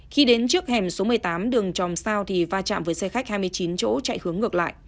khi đến trước hẻm số một mươi tám đường tròm sao thì va chạm với xe khách hai mươi chín chỗ